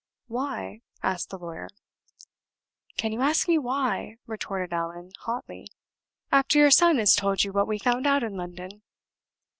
"Why?" asked the lawyer. "Can you ask me why," retorted Allan, hotly, "after your son has told you what we found out in London?